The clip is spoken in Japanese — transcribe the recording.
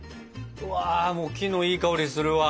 うわもう木のいい香りするわ！